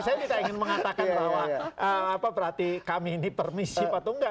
saya tidak ingin mengatakan bahwa berarti kami ini permisif atau enggak